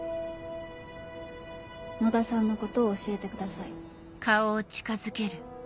野田さんのことを教えてください。